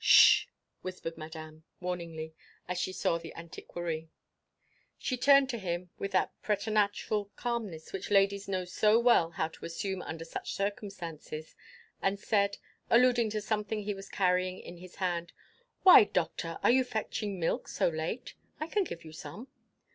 "Sh!" whispered Madame, warningly, as she saw the antiquary. She turned to him with that preternatural calmness which ladies know so well how to assume under such circumstances, and said, alluding to something he was carrying in his hand, "Why, Doctor, are you fetching milk so late? I can give you some."